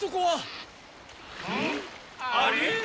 あれ？